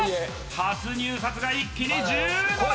初入札が一気に１７万！